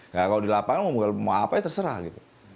nah kalau di lapangan mau apa ya terserah gitu